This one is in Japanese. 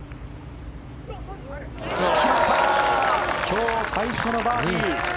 今日最初のバーディー。